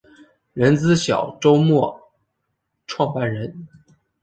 人资小周末创办人